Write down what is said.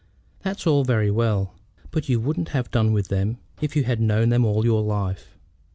"That's all very well; but you wouldn't have done with them if you had known them all your life."